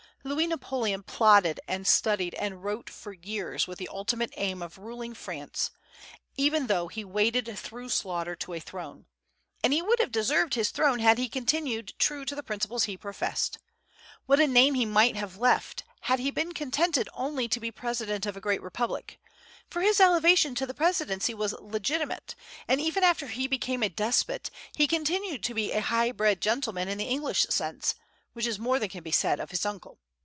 Louis Napoleon plodded and studied and wrote for years with the ultimate aim of ruling France, even though he "waded through slaughter to a throne;" and he would have deserved his throne had he continued true to the principles he professed. What a name he might have left had he been contented only to be President of a great republic; for his elevation to the Presidency was legitimate, and even after he became a despot he continued to be a high bred gentleman in the English sense, which is more than can be said of his uncle.